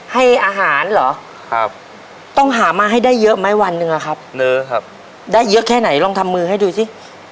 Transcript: ให้อาหารเหรอครับต้องหามาให้ได้เยอะไหมวันหนึ่งอะครับเนอะได้เยอะแค่ไหนลองทำมือให้ดูสิ